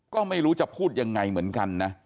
ก็ไม่รู้จะพูดยังไงเหมือนกันนะ